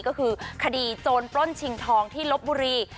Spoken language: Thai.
ก็คือคดีโจรปล้นชิงทองที่ลบบุรี